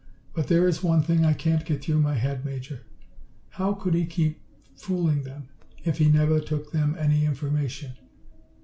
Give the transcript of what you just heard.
But there is one thing I can't get through my head, Major. How could he keep fooling them if he never took them any information?"